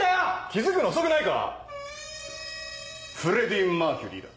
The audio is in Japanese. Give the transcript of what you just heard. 気付くの遅くないか⁉フレディ・マーキュリーだ。